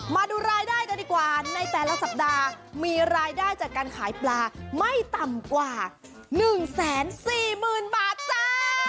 มาดูรายได้กันดีกว่าในแต่ละสัปดาห์มีรายได้จากการขายปลาไม่ต่ำกว่า๑๔๐๐๐บาทจ้า